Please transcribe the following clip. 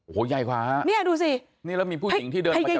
โหย่ายกว่านี่ดูสินี่แล้วมีผู้หญิงที่เดินมาจับบ้าน